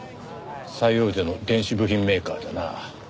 最大手の電子部品メーカーだな。